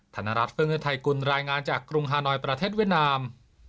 ธนรัฐเฟื้องฤทัยกุลรายงานจากกรุงฮานอยประเทศเวียดนาม